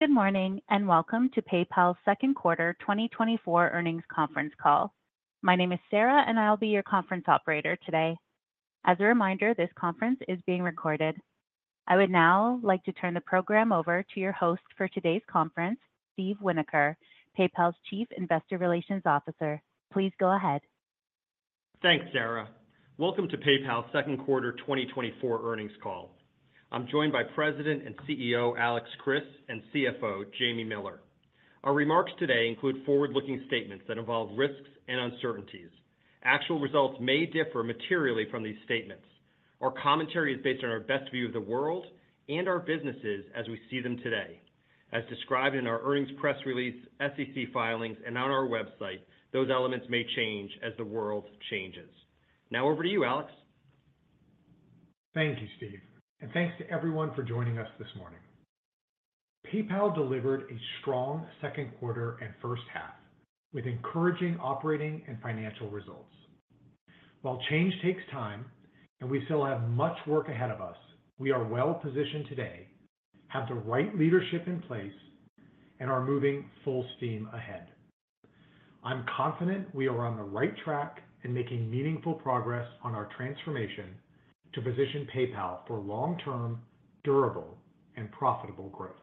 Good morning, and welcome to PayPal's second quarter 2024 earnings conference call. My name is Sarah, and I'll be your conference operator today. As a reminder, this conference is being recorded. I would now like to turn the program over to your host for today's conference, Steve Winoker, PayPal's Chief Investor Relations Officer. Please go ahead. Thanks, Sarah. Welcome to PayPal's second quarter 2024 earnings call. I'm joined by President and CEO, Alex Chriss, and CFO, Jamie Miller. Our remarks today include forward-looking statements that involve risks and uncertainties. Actual results may differ materially from these statements. Our commentary is based on our best view of the world and our businesses as we see them today. As described in our earnings press release, SEC filings, and on our website, those elements may change as the world changes. Now, over to you, Alex. Thank you, Steve, and thanks to everyone for joining us this morning. PayPal delivered a strong second quarter and first half, with encouraging operating and financial results. While change takes time and we still have much work ahead of us, we are well positioned today, have the right leadership in place, and are moving full steam ahead. I'm confident we are on the right track and making meaningful progress on our transformation to position PayPal for long-term, durable, and profitable growth.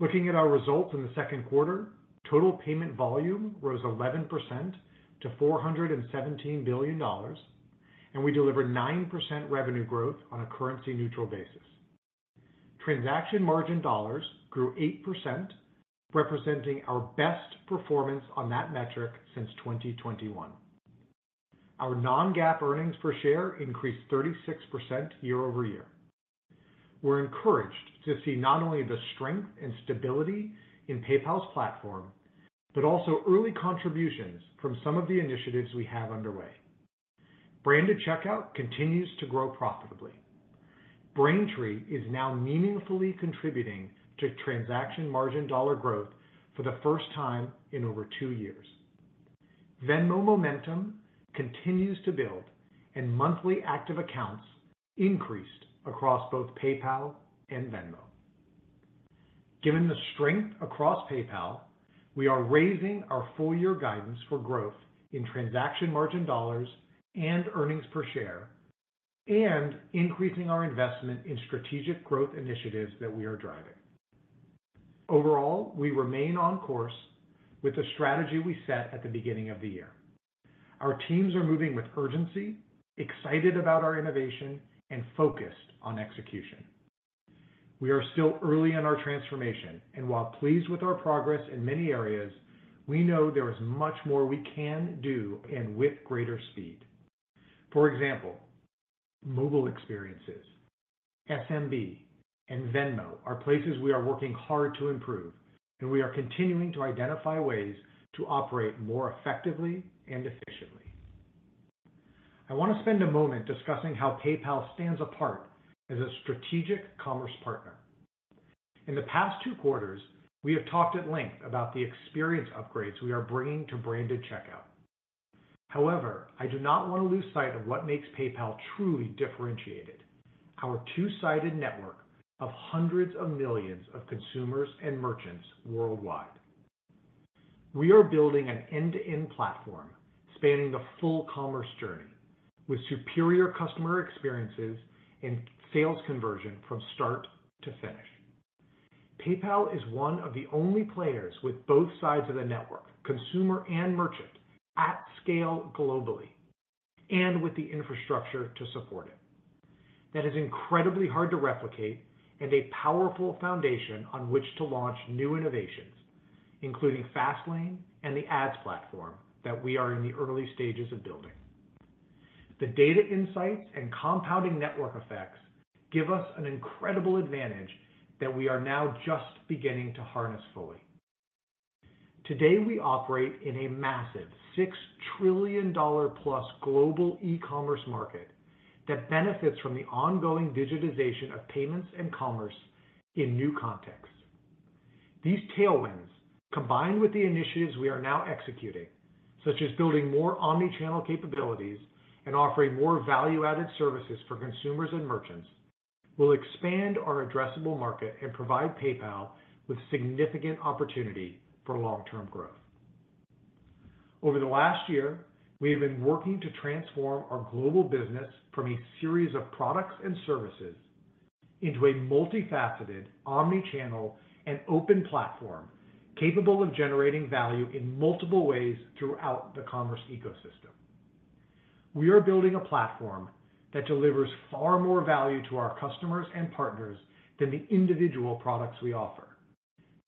Looking at our results in the second quarter, total payment volume rose 11% to $417 billion, and we delivered 9% revenue growth on a currency-neutral basis. Transaction margin dollars grew 8%, representing our best performance on that metric since 2021. Our non-GAAP earnings per share increased 36% year-over-year. We're encouraged to see not only the strength and stability in PayPal's platform, but also early contributions from some of the initiatives we have underway. Branded checkout continues to grow profitably. Braintree is now meaningfully contributing to transaction margin dollar growth for the first time in over two years. Venmo momentum continues to build, and monthly active accounts increased across both PayPal and Venmo. Given the strength across PayPal, we are raising our full year guidance for growth in transaction margin dollars and earnings per share, and increasing our investment in strategic growth initiatives that we are driving. Overall, we remain on course with the strategy we set at the beginning of the year. Our teams are moving with urgency, excited about our innovation, and focused on execution. We are still early in our transformation, and while pleased with our progress in many areas, we know there is much more we can do and with greater speed. For example, mobile experiences, SMB, and Venmo are places we are working hard to improve, and we are continuing to identify ways to operate more effectively and efficiently. I want to spend a moment discussing how PayPal stands apart as a strategic commerce partner. In the past two quarters, we have talked at length about the experience upgrades we are bringing to branded checkout. However, I do not want to lose sight of what makes PayPal truly differentiated, our two-sided network of hundreds of millions of consumers and merchants worldwide. We are building an end-to-end platform spanning the full commerce journey, with superior customer experiences and sales conversion from start to finish. PayPal is one of the only players with both sides of the network, consumer and merchant, at scale globally, and with the infrastructure to support it. That is incredibly hard to replicate and a powerful foundation on which to launch new innovations, including Fastlane and the ads platform that we are in the early stages of building. The data insights and compounding network effects give us an incredible advantage that we are now just beginning to harness fully. Today, we operate in a massive $6+ trillion global e-commerce market that benefits from the ongoing digitization of payments and commerce in new contexts. These tailwinds, combined with the initiatives we are now executing, such as building more omni-channel capabilities and offering more value-added services for consumers and merchants, will expand our addressable market and provide PayPal with significant opportunity for long-term growth. Over the last year, we have been working to transform our global business from a series of products and services into a multifaceted, omni-channel, and open platform, capable of generating value in multiple ways throughout the commerce ecosystem. We are building a platform that delivers far more value to our customers and partners than the individual products we offer.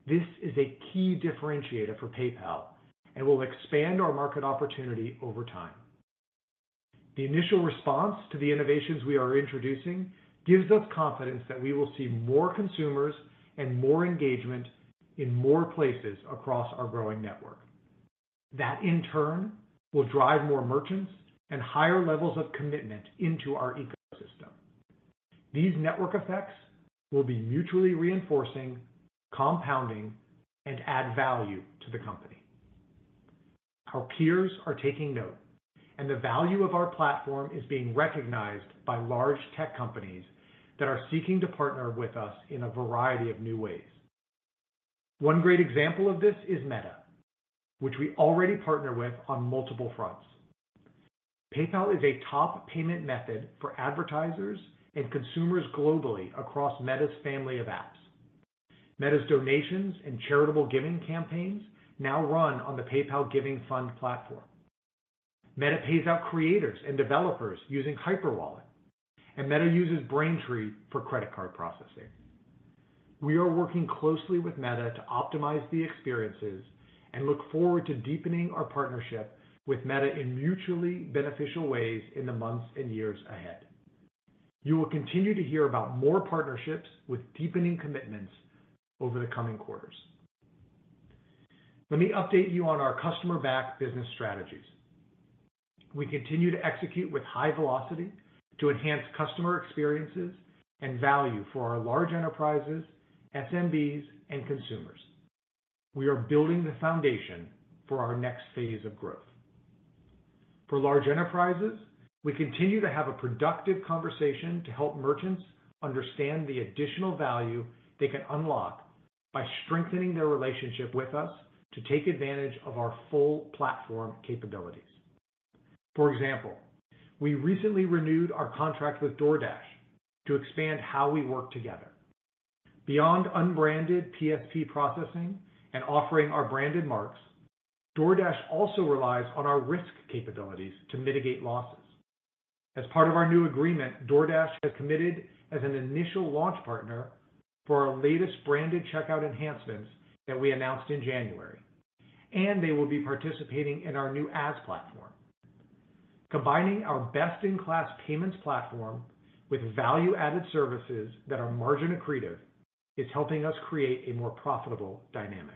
This is a key differentiator for PayPal and will expand our market opportunity over time. The initial response to the innovations we are introducing gives us confidence that we will see more consumers and more engagement in more places across our growing network. That, in turn, will drive more merchants and higher levels of commitment into our ecosystem. These network effects will be mutually reinforcing, compounding, and add value to the company. Our peers are taking note, and the value of our platform is being recognized by large tech companies that are seeking to partner with us in a variety of new ways. One great example of this is Meta, which we already partner with on multiple fronts. PayPal is a top payment method for advertisers and consumers globally across Meta's family of apps. Meta's donations and charitable giving campaigns now run on the PayPal Giving Fund platform. Meta pays out creators and developers using Hyperwallet, and Meta uses Braintree for credit card processing. We are working closely with Meta to optimize the experiences and look forward to deepening our partnership with Meta in mutually beneficial ways in the months and years ahead. You will continue to hear about more partnerships with deepening commitments over the coming quarters. Let me update you on our customer back business strategies. We continue to execute with high velocity to enhance customer experiences and value for our large enterprises, SMBs, and consumers. We are building the foundation for our next phase of growth. For large enterprises, we continue to have a productive conversation to help merchants understand the additional value they can unlock by strengthening their relationship with us to take advantage of our full platform capabilities. For example, we recently renewed our contract with DoorDash to expand how we work together. Beyond unbranded PSP processing and offering our branded marks, DoorDash also relies on our risk capabilities to mitigate losses. As part of our new agreement, DoorDash has committed as an initial launch partner for our latest branded checkout enhancements that we announced in January, and they will be participating in our new ads platform. Combining our best-in-class payments platform with value-added services that are margin accretive, is helping us create a more profitable dynamic.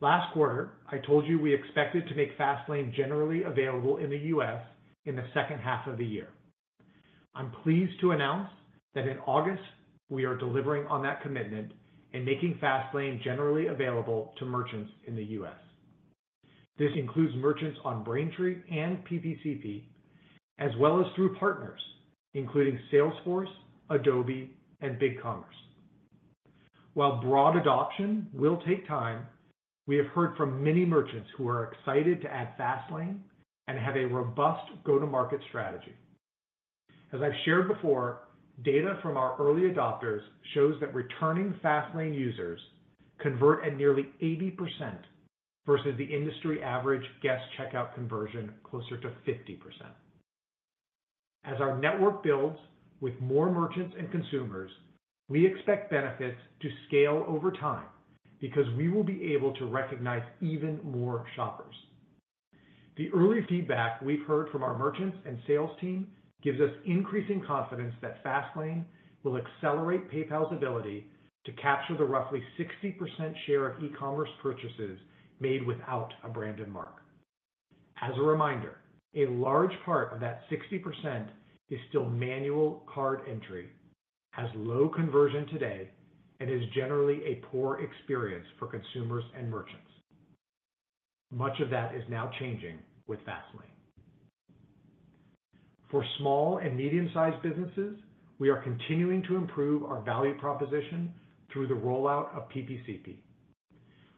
Last quarter, I told you we expected to make Fastlane generally available in the U.S. in the second half of the year. I'm pleased to announce that in August, we are delivering on that commitment and making Fastlane generally available to merchants in the U.S. This includes merchants on Braintree and PPCP, as well as through partners, including Salesforce, Adobe, and BigCommerce. While broad adoption will take time, we have heard from many merchants who are excited to add Fastlane and have a robust go-to-market strategy. As I've shared before, data from our early adopters shows that returning Fastlane users convert at nearly 80% versus the industry average guest checkout conversion, closer to 50%. As our network builds with more merchants and consumers, we expect benefits to scale over time because we will be able to recognize even more shoppers. The early feedback we've heard from our merchants and sales team gives us increasing confidence that Fastlane will accelerate PayPal's ability to capture the roughly 60% share of e-commerce purchases made without a branded mark. As a reminder, a large part of that 60% is still manual card entry, has low conversion today, and is generally a poor experience for consumers and merchants. Much of that is now changing with Fastlane. For small and medium-sized businesses, we are continuing to improve our value proposition through the rollout of PPCP.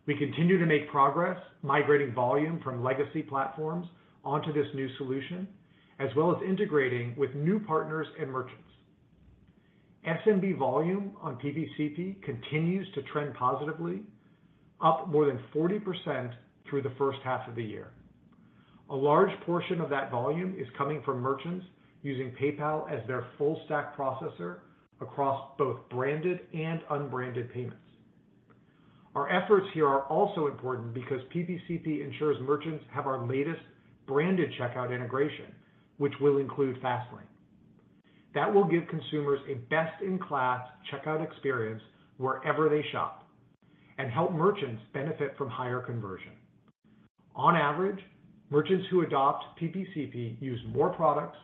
We continue to make progress migrating volume from legacy platforms onto this new solution, as well as integrating with new partners and merchants. SMB volume on PPCP continues to trend positively, up more than 40% through the first half of the year. A large portion of that volume is coming from merchants using PayPal as their full stack processor across both branded and unbranded payments. Our efforts here are also important because PPCP ensures merchants have our latest branded checkout integration, which will include Fastlane. That will give consumers a best-in-class checkout experience wherever they shop and help merchants benefit from higher conversion. On average, merchants who adopt PPCP use more products,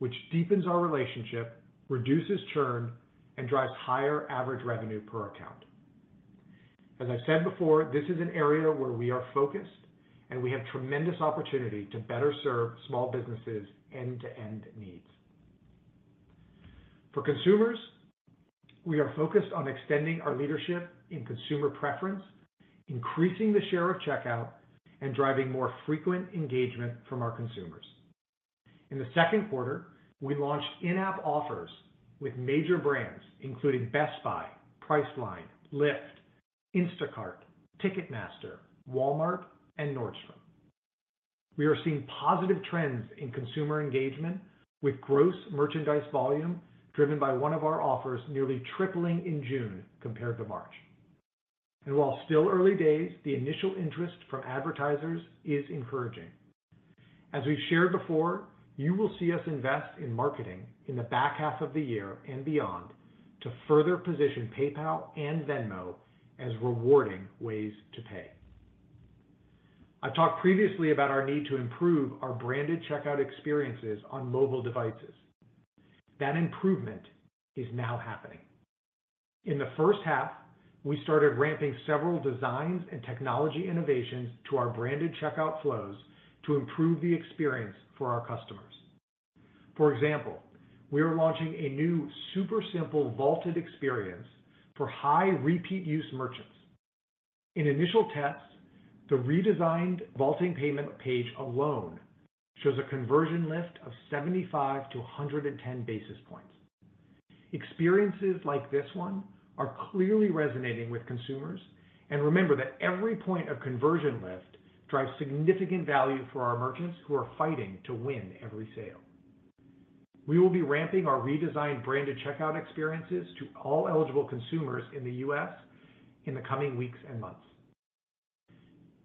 which deepens our relationship, reduces churn, and drives higher average revenue per account. As I said before, this is an area where we are focused, and we have tremendous opportunity to better serve small businesses end-to-end needs. For consumers, we are focused on extending our leadership in consumer preference, increasing the share of checkout, and driving more frequent engagement from our consumers. In the second quarter, we launched in-app offers with major brands including Best Buy, Priceline, Lyft, Instacart, Ticketmaster, Walmart, and Nordstrom. We are seeing positive trends in consumer engagement, with gross merchandise volume driven by one of our offers, nearly tripling in June compared to March. While still early days, the initial interest from advertisers is encouraging. As we've shared before, you will see us invest in marketing in the back half of the year and beyond to further position PayPal and Venmo as rewarding ways to pay. I've talked previously about our need to improve our branded checkout experiences on mobile devices. That improvement is now happening. In the first half, we started ramping several designs and technology innovations to our branded checkout flows to improve the experience for our customers. For example, we are launching a new super simple vaulted experience for high repeat use merchants. In initial tests, the redesigned vaulting payment page alone shows a conversion lift of 75-110 basis points. Experiences like this one are clearly resonating with consumers, and remember that every point of conversion lift drives significant value for our merchants who are fighting to win every sale. We will be ramping our redesigned branded checkout experiences to all eligible consumers in the U.S. in the coming weeks and months.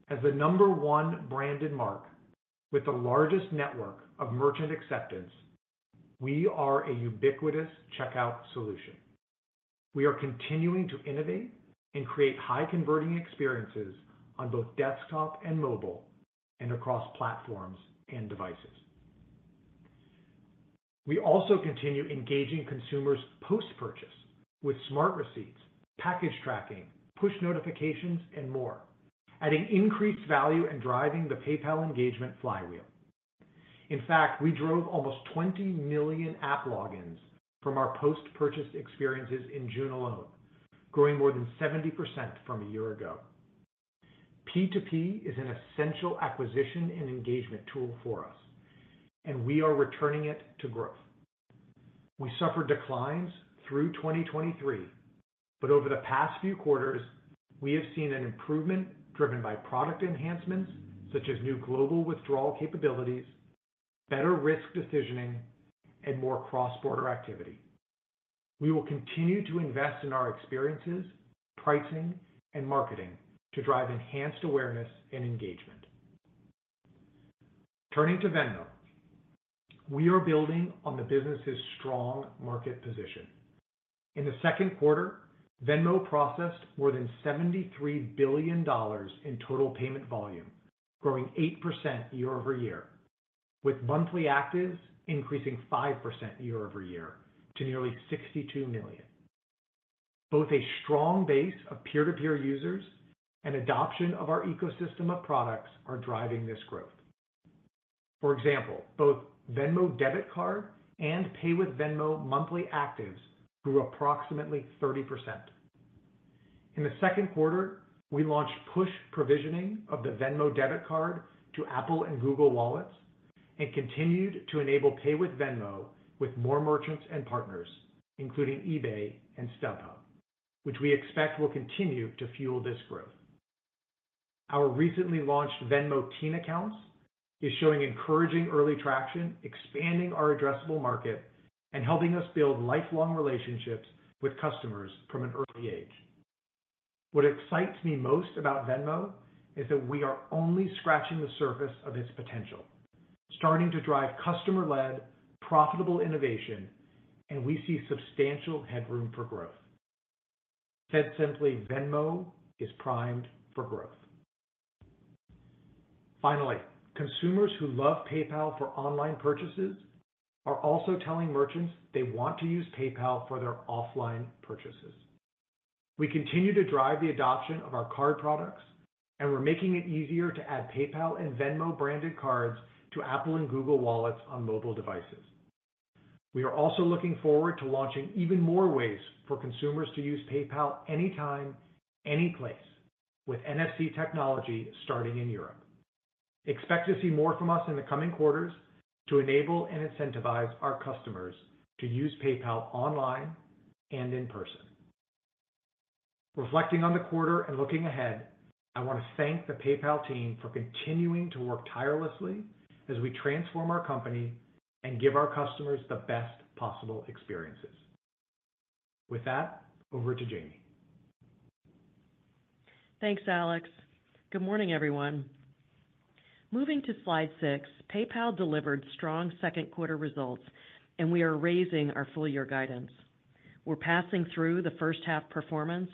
As the number one branded mark with the largest network of merchant acceptance, we are a ubiquitous checkout solution. We are continuing to innovate and create high-converting experiences on both desktop and mobile, and across platforms and devices. We also continue engaging consumers post-purchase with Smart Receipts, package tracking, push notifications, and more, adding increased value and driving the PayPal engagement flywheel. In fact, we drove almost 20 million app logins from our post-purchase experiences in June alone, growing more than 70% from a year ago. P2P is an essential acquisition and engagement tool for us, and we are returning it to growth. We suffered declines through 2023, but over the past few quarters, we have seen an improvement driven by product enhancements, such as new global withdrawal capabilities, better risk decisioning, and more cross-border activity. We will continue to invest in our experiences, pricing, and marketing to drive enhanced awareness and engagement. Turning to Venmo, we are building on the business's strong market position. In the second quarter, Venmo processed more than $73 billion in total payment volume, growing 8% year-over-year, with monthly actives increasing 5% year-over-year to nearly 62 million. Both a strong base of peer-to-peer users and adoption of our ecosystem of products are driving this growth. For example, both Venmo Debit Card and Pay with Venmo monthly actives grew approximately 30%. In the second quarter, we launched push provisioning of the Venmo Debit Card to Apple Wallet and Google Wallet, and continued to enable Pay with Venmo with more merchants and partners, including eBay and StubHub, which we expect will continue to fuel this growth. Our recently launched Venmo Teen Accounts is showing encouraging early traction, expanding our addressable market, and helping us build lifelong relationships with customers from an early age. What excites me most about Venmo is that we are only scratching the surface of its potential, starting to drive customer-led, profitable innovation, and we see substantial headroom for growth. Said simply, Venmo is primed for growth. Finally, consumers who love PayPal for online purchases are also telling merchants they want to use PayPal for their offline purchases. We continue to drive the adoption of our card products, and we're making it easier to add PayPal and Venmo-branded cards to Apple and Google Wallets on mobile devices. We are also looking forward to launching even more ways for consumers to use PayPal anytime, any place with NFC technology starting in Europe. Expect to see more from us in the coming quarters to enable and incentivize our customers to use PayPal online and in person. Reflecting on the quarter and looking ahead, I want to thank the PayPal team for continuing to work tirelessly as we transform our company and give our customers the best possible experiences. With that, over to Jamie. Thanks, Alex. Good morning, everyone. Moving to slide six, PayPal delivered strong second quarter results, and we are raising our full year guidance. We're passing through the first half performance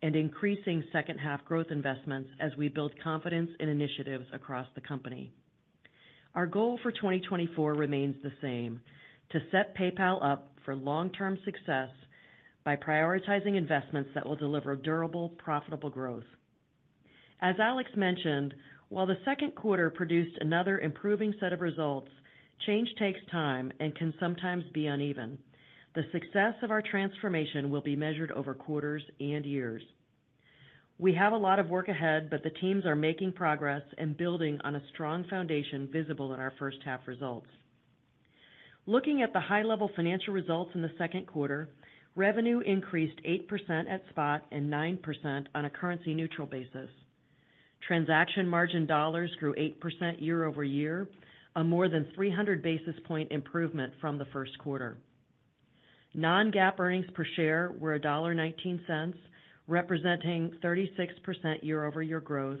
and increasing second half growth investments as we build confidence in initiatives across the company. Our goal for 2024 remains the same, to set PayPal up for long-term success by prioritizing investments that will deliver durable, profitable growth. As Alex mentioned, while the second quarter produced another improving set of results, change takes time and can sometimes be uneven. The success of our transformation will be measured over quarters and years. We have a lot of work ahead, but the teams are making progress and building on a strong foundation visible in our first half results. Looking at the high-level financial results in the second quarter, revenue increased 8% at spot and 9% on a currency-neutral basis. Transaction margin dollars grew 8% year-over-year, a more than 300 basis points improvement from the first quarter. Non-GAAP earnings per share were $1.19, representing 36% year-over-year growth.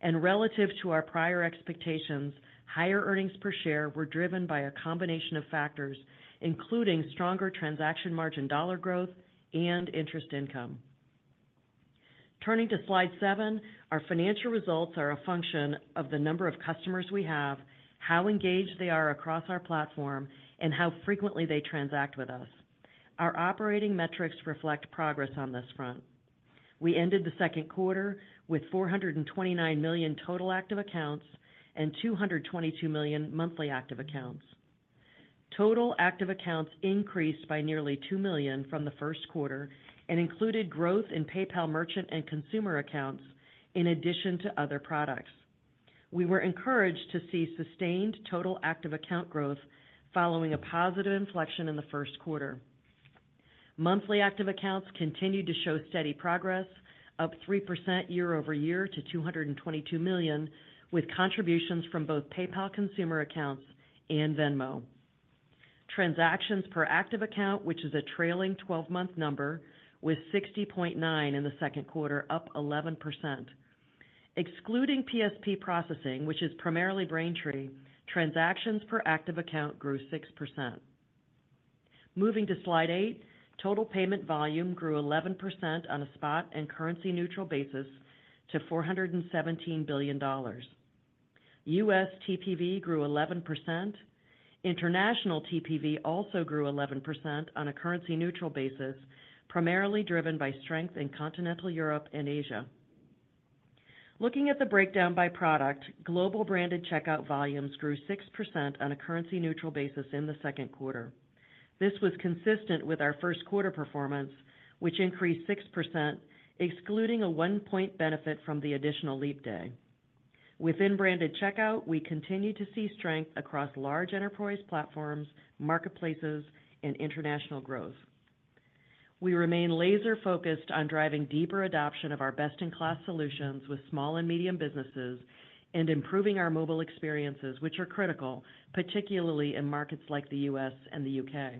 And relative to our prior expectations, higher earnings per share were driven by a combination of factors, including stronger transaction margin dollar growth and interest income. Turning to slide seven, our financial results are a function of the number of customers we have, how engaged they are across our platform, and how frequently they transact with us. Our operating metrics reflect progress on this front. We ended the second quarter with 429 million total active accounts and 222 million monthly active accounts. Total active accounts increased by nearly 2 million from the first quarter and included growth in PayPal merchant and consumer accounts, in addition to other products. We were encouraged to see sustained total active account growth following a positive inflection in the first quarter. Monthly active accounts continued to show steady progress, up 3% year-over-year to 222 million, with contributions from both PayPal consumer accounts and Venmo. Transactions per active account, which is a trailing twelve-month number, with 60.9 in the second quarter, up 11%. Excluding PSP processing, which is primarily Braintree, transactions per active account grew 6%. Moving to slide eight, total payment volume grew 11% on a spot and currency-neutral basis to $417 billion. U.S. TPV grew 11%. International TPV also grew 11% on a currency-neutral basis, primarily driven by strength in Continental Europe and Asia. Looking at the breakdown by product, global branded checkout volumes grew 6% on a currency-neutral basis in the second quarter. This was consistent with our first quarter performance, which increased 6%, excluding a one-point benefit from the additional leap day. Within branded checkout, we continue to see strength across large enterprise platforms, marketplaces, and international growth. We remain laser-focused on driving deeper adoption of our best-in-class solutions with small and medium businesses and improving our mobile experiences, which are critical, particularly in markets like the U.S. and the U.K.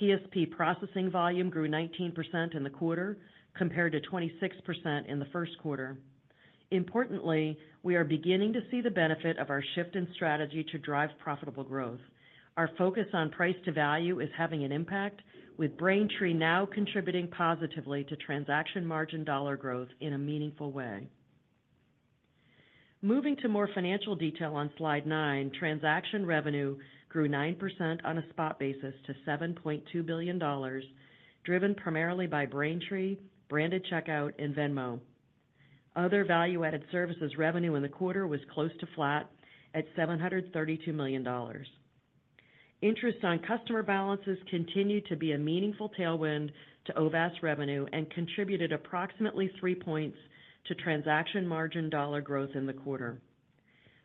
PSP processing volume grew 19% in the quarter, compared to 26% in the first quarter. Importantly, we are beginning to see the benefit of our shift in strategy to drive profitable growth. Our focus on price to value is having an impact, with Braintree now contributing positively to transaction margin dollar growth in a meaningful way. Moving to more financial detail on slide nine, transaction revenue grew 9% on a spot basis to $7.2 billion, driven primarily by Braintree, branded checkout, and Venmo. Other value-added services revenue in the quarter was close to flat at $732 million. Interest on customer balances continued to be a meaningful tailwind to OVAS revenue and contributed approximately three points to transaction margin dollar growth in the quarter.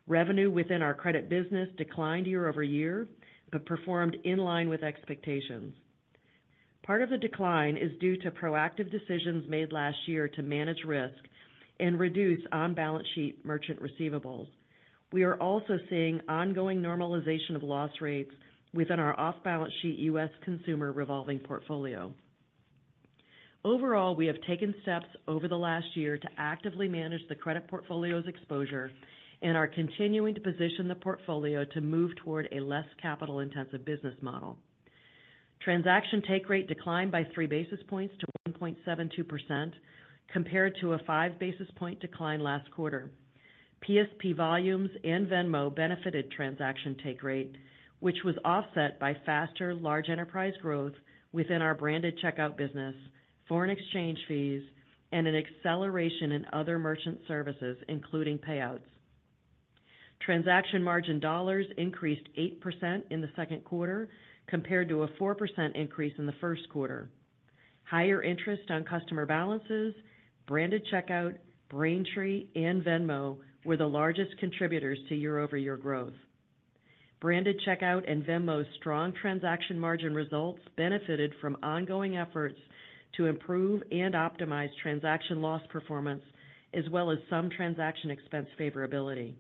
Revenue within our credit business declined year-over-year, but performed in line with expectations. Part of the decline is due to proactive decisions made last year to manage risk and reduce on-balance sheet merchant receivables. We are also seeing ongoing normalization of loss rates within our off-balance sheet U.S. consumer revolving portfolio. Overall, we have taken steps over the last year to actively manage the credit portfolio's exposure and are continuing to position the portfolio to move toward a less capital-intensive business model. Transaction take rate declined by 3 basis points to 1.72%, compared to a 5 basis point decline last quarter. PSP volumes and Venmo benefited transaction take rate, which was offset by faster large enterprise growth within our branded checkout business, foreign exchange fees, and an acceleration in other merchant services, including payouts. Transaction margin dollars increased 8% in the second quarter, compared to a 4% increase in the first quarter. Higher interest on customer balances, branded checkout, Braintree, and Venmo were the largest contributors to year-over-year growth. branded checkout and Venmo's strong transaction margin results benefited from ongoing efforts to improve and optimize transaction loss performance, as well as some transaction expense favorability.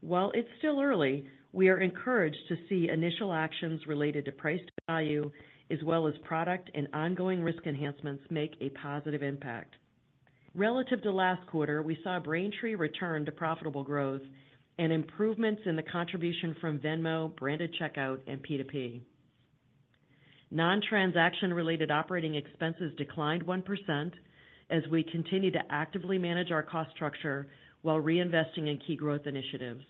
While it's still early, we are encouraged to see initial actions related to price value, as well as product and ongoing risk enhancements, make a positive impact. Relative to last quarter, we saw Braintree return to profitable growth and improvements in the contribution from Venmo, branded checkout, and P2P. Non-transaction-related operating expenses declined 1% as we continue to actively manage our cost structure while reinvesting in key growth initiatives.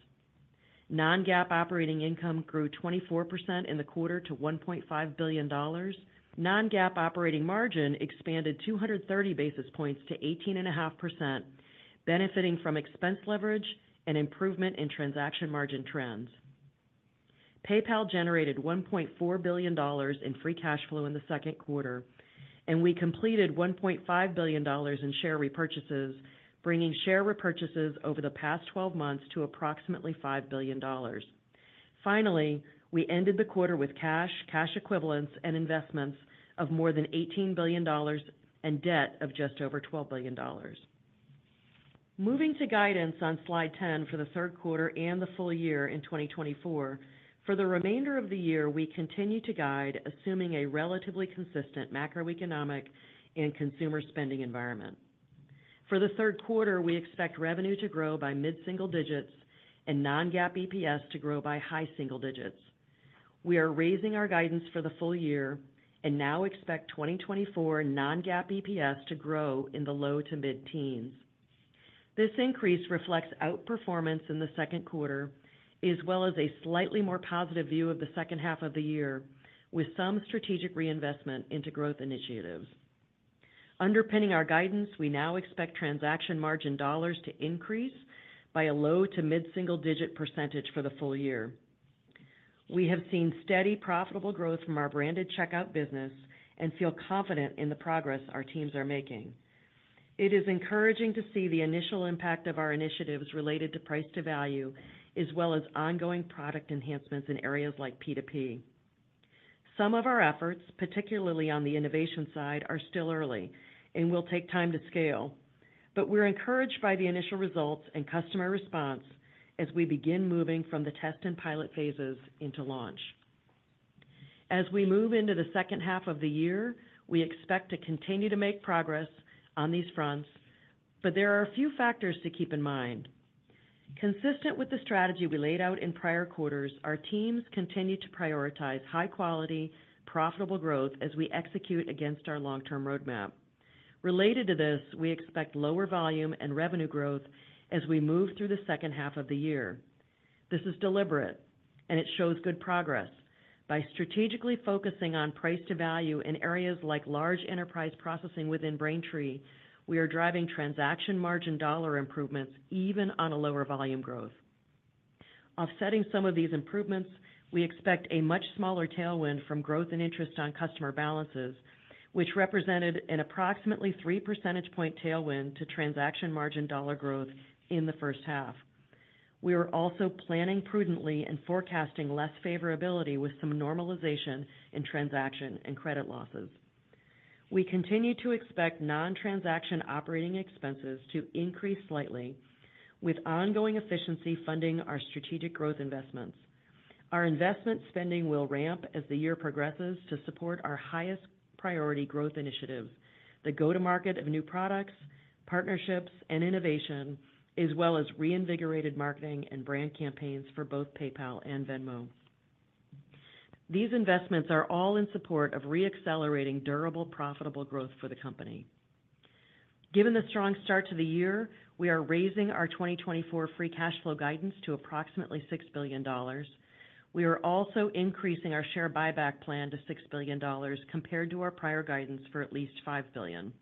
Non-GAAP operating income grew 24% in the quarter to $1.5 billion. Non-GAAP operating margin expanded 230 basis points to 18.5%, benefiting from expense leverage and improvement in transaction margin trends. PayPal generated $1.4 billion in free cash flow in the second quarter, and we completed $1.5 billion in share repurchases, bringing share repurchases over the past 12 months to approximately $5 billion. Finally, we ended the quarter with cash, cash equivalents, and investments of more than $18 billion and debt of just over $12 billion. Moving to guidance on slide 10 for the third quarter and the full year in 2024. For the remainder of the year, we continue to guide, assuming a relatively consistent macroeconomic and consumer spending environment. For the third quarter, we expect revenue to grow by mid-single digits and non-GAAP EPS to grow by high single digits. We are raising our guidance for the full year and now expect 2024 non-GAAP EPS to grow in the low to mid-teens. This increase reflects outperformance in the second quarter, as well as a slightly more positive view of the second half of the year, with some strategic reinvestment into growth initiatives. Underpinning our guidance, we now expect transaction margin dollars to increase by a low to mid-single-digit percentage for the full year. We have seen steady, profitable growth from our branded checkout business and feel confident in the progress our teams are making. It is encouraging to see the initial impact of our initiatives related to price to value, as well as ongoing product enhancements in areas like P2P. Some of our efforts, particularly on the innovation side, are still early and will take time to scale, but we're encouraged by the initial results and customer response as we begin moving from the test and pilot phases into launch. As we move into the second half of the year, we expect to continue to make progress on these fronts, but there are a few factors to keep in mind. Consistent with the strategy we laid out in prior quarters, our teams continue to prioritize high quality, profitable growth as we execute against our long-term roadmap. Related to this, we expect lower volume and revenue growth as we move through the second half of the year. This is deliberate, and it shows good progress. By strategically focusing on price to value in areas like large enterprise processing within Braintree, we are driving transaction margin dollar improvements even on a lower volume growth. Offsetting some of these improvements, we expect a much smaller tailwind from growth and interest on customer balances, which represented an approximately 3 percentage point tailwind to transaction margin dollar growth in the first half. We are also planning prudently and forecasting less favorability with some normalization in transaction and credit losses. We continue to expect non-transaction operating expenses to increase slightly, with ongoing efficiency funding our strategic growth investments. Our investment spending will ramp as the year progresses to support our highest priority growth initiatives, the go-to-market of new products, partnerships, and innovation, as well as reinvigorated marketing and brand campaigns for both PayPal and Venmo. These investments are all in support of reaccelerating durable, profitable growth for the company. Given the strong start to the year, we are raising our 2024 free cash flow guidance to approximately $6 billion. We are also increasing our share buyback plan to $6 billion, compared to our prior guidance for at least $5 billion.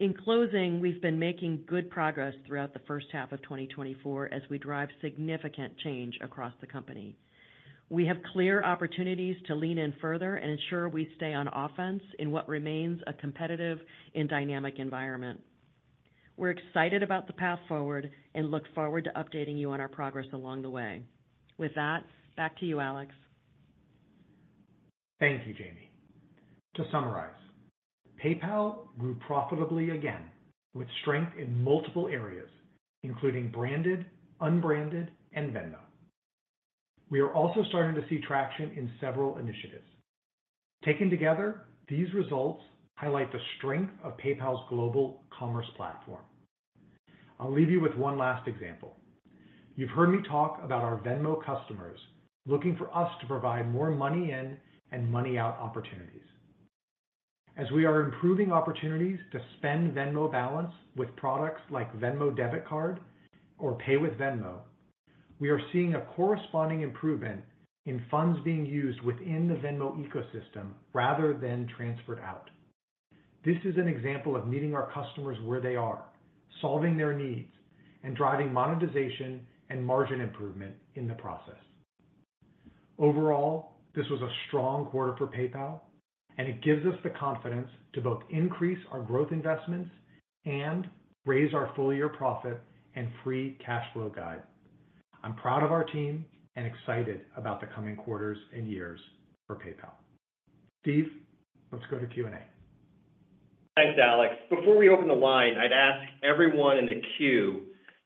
In closing, we've been making good progress throughout the first half of 2024 as we drive significant change across the company. We have clear opportunities to lean in further and ensure we stay on offense in what remains a competitive and dynamic environment. We're excited about the path forward and look forward to updating you on our progress along the way. With that, back to you, Alex. Thank you, Jamie. To summarize, PayPal grew profitably again, with strength in multiple areas, including branded, unbranded, and Venmo. We are also starting to see traction in several initiatives. Taken together, these results highlight the strength of PayPal's global commerce platform. I'll leave you with one last example. You've heard me talk about our Venmo customers looking for us to provide more money in and money out opportunities. As we are improving opportunities to spend Venmo balance with products like Venmo Debit Card or Pay with Venmo, we are seeing a corresponding improvement in funds being used within the Venmo ecosystem rather than transferred out. This is an example of meeting our customers where they are, solving their needs, and driving monetization and margin improvement in the process. Overall, this was a strong quarter for PayPal, and it gives us the confidence to both increase our growth investments and raise our full-year profit and free cash flow guide. I'm proud of our team and excited about the coming quarters and years for PayPal. Steve, let's go to Q&A. Thanks, Alex. Before we open the line, I'd ask everyone in the queue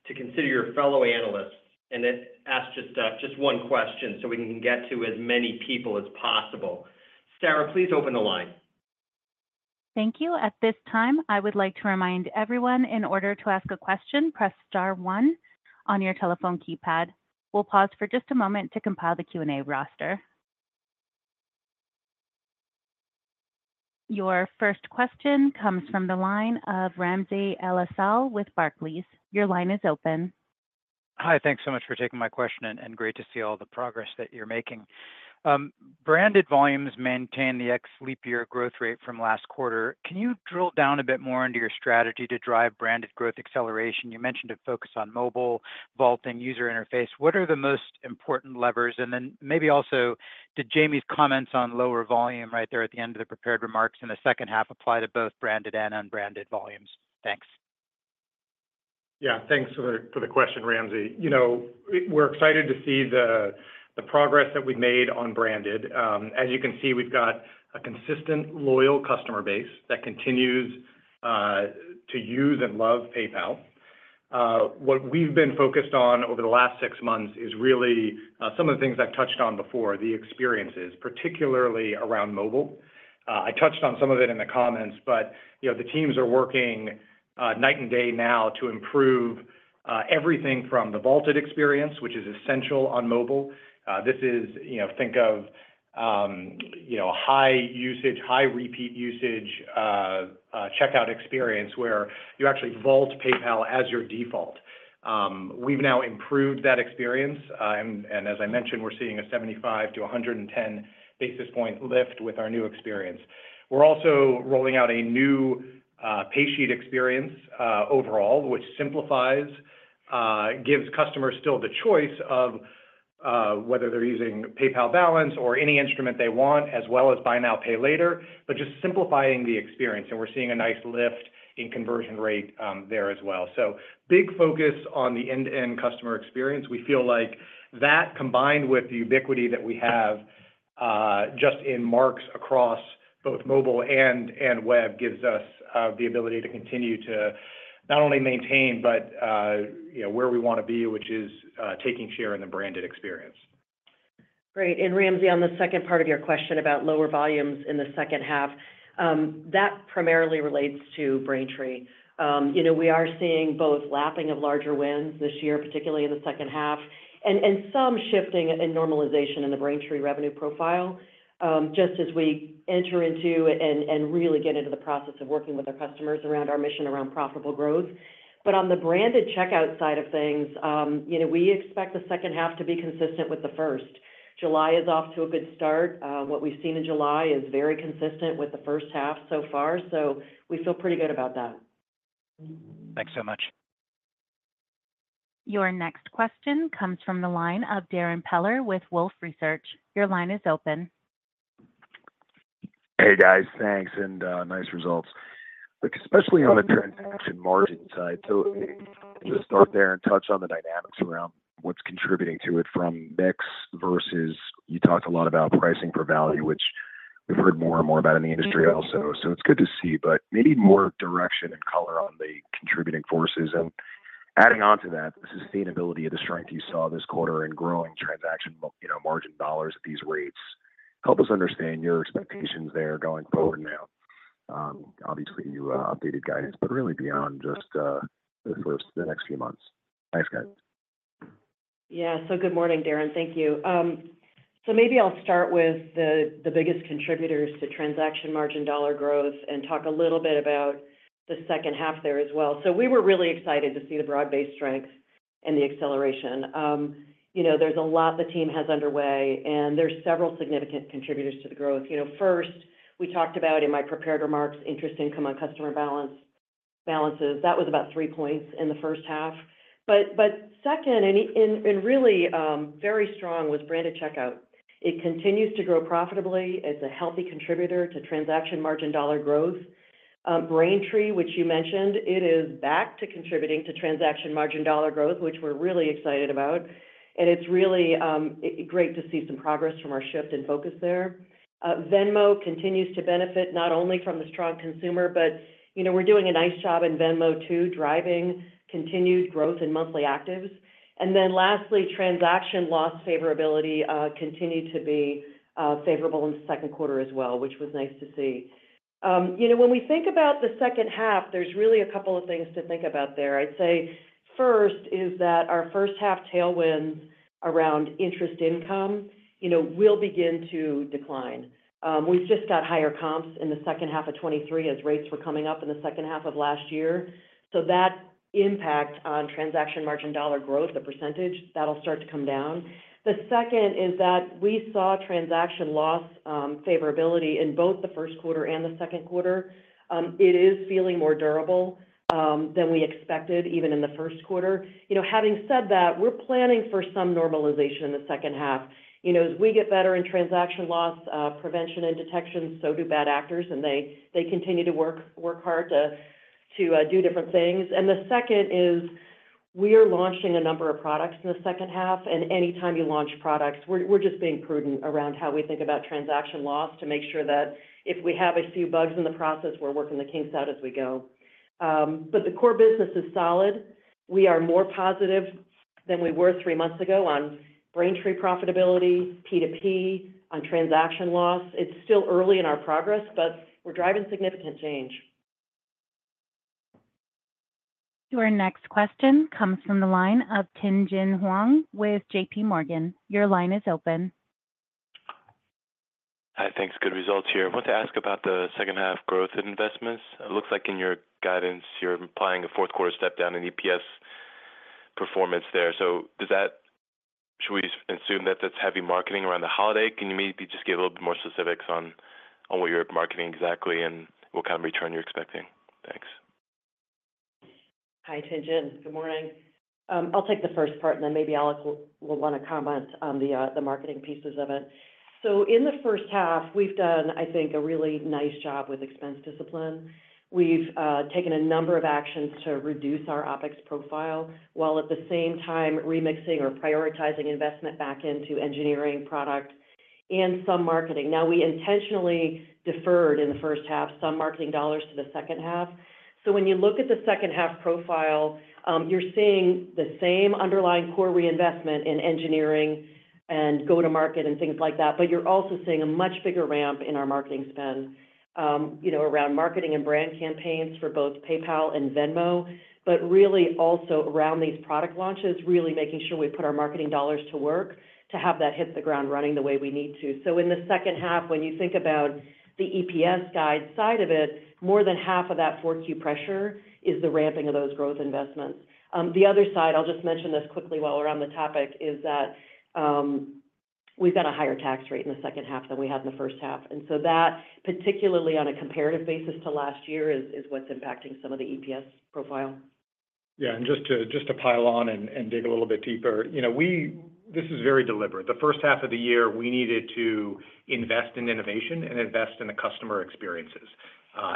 to consider your fellow analysts and then ask just, just one question so we can get to as many people as possible. Sarah, please open the line. Thank you. At this time, I would like to remind everyone, in order to ask a question, press star one on your telephone keypad. We'll pause for just a moment to compile the Q&A roster. Your first question comes from the line of Ramsey El-Assal with Barclays. Your line is open. Hi, thanks so much for taking my question, and great to see all the progress that you're making. Branded volumes maintain the ex-leap year growth rate from last quarter. Can you drill down a bit more into your strategy to drive branded growth acceleration? You mentioned a focus on mobile, vault, and user interface. What are the most important levers? And then maybe also, did Jamie's comments on lower volume right there at the end of the prepared remarks in the second half apply to both branded and unbranded volumes? Thanks. Yeah, thanks for the question, Ramsey. You know, we're excited to see the progress that we've made on branded. As you can see, we've got a consistent, loyal customer base that continues to use and love PayPal. What we've been focused on over the last six months is really some of the things I've touched on before, the experiences, particularly around mobile. I touched on some of it in the comments, but, you know, the teams are working night and day now to improve everything from the vaulted experience, which is essential on mobile. This is, you know, think of you know, high usage, high repeat usage, checkout experience where you actually vault PayPal as your default. We've now improved that experience, and as I mentioned, we're seeing a 75-110 basis point lift with our new experience. We're also rolling out a new pay sheet experience overall, which simplifies, gives customers still the choice of whether they're using PayPal Balance or any instrument they want, as well as Buy Now, Pay Later, but just simplifying the experience, and we're seeing a nice lift in conversion rate there as well. So big focus on the end-to-end customer experience. We feel like that, combined with the ubiquity that we have just in markets across both mobile and web, gives us the ability to continue to not only maintain, but you know, where we want to be, which is taking share in the branded experience. Great. And Ramsey, on the second part of your question about lower volumes in the second half, that primarily relates to Braintree. You know, we are seeing both lapping of larger wins this year, particularly in the second half, and some shifting and normalization in the Braintree revenue profile, just as we enter into and really get into the process of working with our customers around our mission around profitable growth. But on the branded checkout side of things, you know, we expect the second half to be consistent with the first. July is off to a good start. What we've seen in July is very consistent with the first half so far, so we feel pretty good about that. Thanks so much. Your next question comes from the line of Darrin Peller with Wolfe Research. Your line is open. Hey, guys. Thanks, and nice results. Look, especially on the transaction margin side, so just start there and touch on the dynamics around what's contributing to it from mix versus you talked a lot about pricing for value, which we've heard more and more about in the industry also. So it's good to see, but maybe more direction and color on the contributing forces. And adding on to that, the sustainability of the strength you saw this quarter in growing transaction—you know, margin dollars at these rates. Help us understand your expectations there going forward now. Obviously, you updated guidance, but really beyond just the next few months. Thanks, guys. Yeah. So good morning, Darren. Thank you. So maybe I'll start with the biggest contributors to transaction margin dollar growth and talk a little bit about the second half there as well. So we were really excited to see the broad-based strengths and the acceleration. You know, there's a lot the team has underway, and there's several significant contributors to the growth. You know, first, we talked about in my prepared remarks, interest income on customer balances. That was about three points in the first half. But second, and really, very strong was branded checkout. It continues to grow profitably. It's a healthy contributor to transaction margin dollar growth. Braintree, which you mentioned, it is back to contributing to transaction margin dollar growth, which we're really excited about, and it's really great to see some progress from our shift and focus there. Venmo continues to benefit not only from the strong consumer, but, you know, we're doing a nice job in Venmo, too, driving continued growth in monthly actives. And then lastly, transaction loss favorability continued to be favorable in the second quarter as well, which was nice to see. You know, when we think about the second half, there's really a couple of things to think about there. I'd say first is that our first half tailwinds around interest income, you know, will begin to decline. We've just got higher comps in the second half of 2023 as rates were coming up in the second half of last year. So that impact on transaction margin dollar growth, the percentage, that'll start to come down. The second is that we saw transaction loss favorability in both the first quarter and the second quarter. It is feeling more durable than we expected, even in the first quarter. You know, having said that, we're planning for some normalization in the second half. You know, as we get better in transaction loss prevention and detection, so do bad actors, and they continue to work hard to do different things. And the second is, we are launching a number of products in the second half, and anytime you launch products, we're just being prudent around how we think about transaction loss to make sure that if we have a few bugs in the process, we're working the kinks out as we go. But the core business is solid. We are more positive than we were three months ago on Braintree profitability, P2P, on transaction loss. It's still early in our progress, but we're driving significant change. Your next question comes from the line of Tien-Tsin Huang with JPMorgan. Your line is open. Hi, thanks. Good results here. I want to ask about the second half growth investments. It looks like in your guidance, you're implying a fourth quarter step down in EPS performance there. So, does that? Should we assume that that's heavy marketing around the holiday? Can you maybe just give a little bit more specifics on what you're marketing exactly and what kind of return you're expecting? Thanks. Hi, Tien-Tsin. Good morning. I'll take the first part, and then maybe Alex will want to comment on the marketing pieces of it. So in the first half, we've done, I think, a really nice job with expense discipline. We've taken a number of actions to reduce our OpEx profile, while at the same time, remixing or prioritizing investment back into engineering product and some marketing. Now we intentionally deferred in the first half, some marketing dollars to the second half. So when you look at the second half profile, you're seeing the same underlying core reinvestment in engineering and go-to-market and things like that, but you're also seeing a much bigger ramp in our marketing spend, you know, around marketing and brand campaigns for both PayPal and Venmo. But really also around these product launches, really making sure we put our marketing dollars to work to have that hit the ground running the way we need to. So in the second half, when you think about the EPS guide side of it, more than half of that 4Q pressure is the ramping of those growth investments. The other side, I'll just mention this quickly while we're on the topic, is that, we've got a higher tax rate in the second half than we had in the first half. And so that, particularly on a comparative basis to last year, is, is what's impacting some of the EPS profile. Yeah, and just to pile on and dig a little bit deeper. You know, we this is very deliberate. The first half of the year, we needed to invest in innovation and invest in the customer experiences,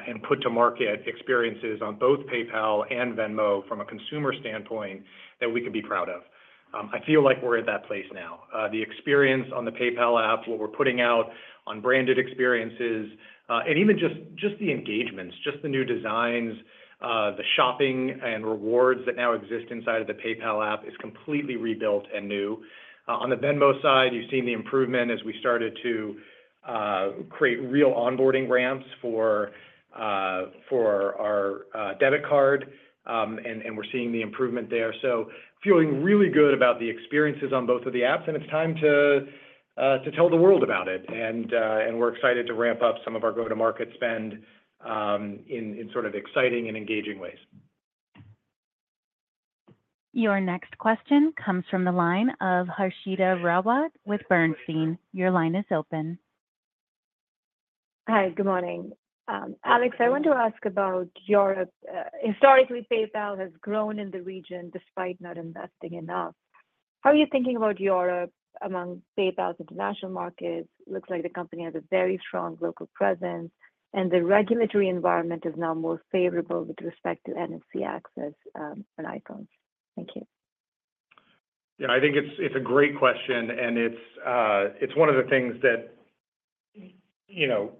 and put to market experiences on both PayPal and Venmo from a consumer standpoint that we can be proud of. I feel like we're at that place now. The experience on the PayPal app, what we're putting out on branded experiences, and even just, just the engagements, just the new designs, the shopping and rewards that now exist inside of the PayPal app is completely rebuilt and new. On the Venmo side, you've seen the improvement as we started to create real onboarding ramps for our debit card, and we're seeing the improvement there. So feeling really good about the experiences on both of the apps, and it's time to tell the world about it. And we're excited to ramp up some of our go-to-market spend, in sort of exciting and engaging ways. Your next question comes from the line of Harshita Rawat with Bernstein. Your line is open. Hi, good morning. Alex, I want to ask about Europe. Historically, PayPal has grown in the region despite not investing enough. How are you thinking about Europe among PayPal's international markets? It looks like the company has a very strong local presence, and the regulatory environment is now more favorable with respect to NFC access, and icons. Thank you. Yeah, I think it's a great question, and it's one of the things that, you know,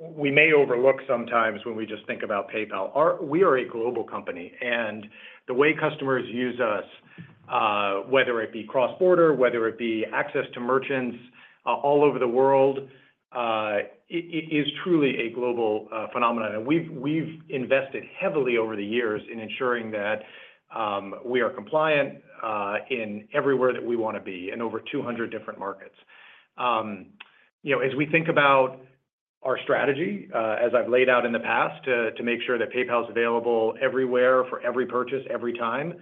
we may overlook sometimes when we just think about PayPal. We are a global company, and the way customers use us, whether it be cross-border, whether it be access to merchants, all over the world, it is truly a global phenomenon. And we've invested heavily over the years in ensuring that we are compliant in everywhere that we want to be, in over 200 different markets. You know, as we think about our strategy, as I've laid out in the past, to make sure that PayPal is available everywhere for every purchase, every time,